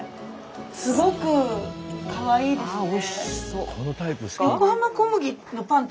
すごくかわいいですね。